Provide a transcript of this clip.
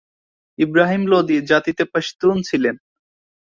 ইবরাহিম লোদি জাতিতে পশতুন ছিলেন।